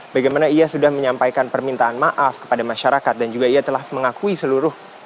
bagaimana ia sudah menyampaikan permintaan maaf kepada masyarakat dan juga ia telah mengakui seluruh